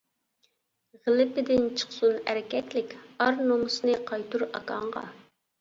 غىلىپىدىن چىقسۇن ئەركەكلىك، ئار نومۇسنى قايتۇر ئاكاڭغا.